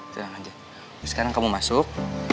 sekarang kamu masuk